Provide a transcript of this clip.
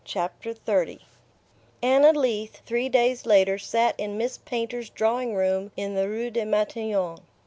BOOK V XXX Anna Leath, three days later, sat in Miss Painter's drawing room in the rue de Matignon.